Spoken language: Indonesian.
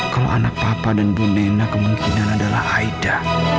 kalau anak papa dan bu nena kemungkinan adalah aida